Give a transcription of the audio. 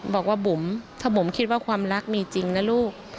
บอกว่าบุ๋มถ้าบุ๋มคิดว่าความรักมีจริงนะลูก